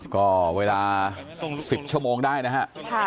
ก็เวลา๑๐ชั่วโมงได้นะฮะ